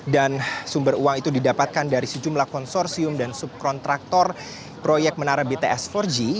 dan sumber uang itu didapatkan dari sejumlah konsorsium dan subkontraktor proyek menara bts empat g